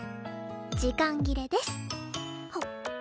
時間切れです。